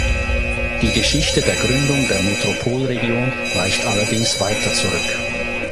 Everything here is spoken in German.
Die Geschichte der Gründung der Metropolregion reicht allerdings weiter zurück.